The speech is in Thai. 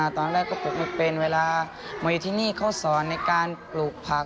ตอนแรกก็ปลูกไม่เป็นเวลามีที่นี่เขาสอนในการปลูกผัก